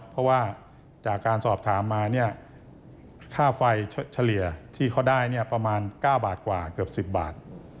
เพราะว่าจากการสอบถามมาเนี่ยค่าไฟเฉลี่ยที่เขาได้ประมาณ๙บาทกว่าเกือบ๑๐บาท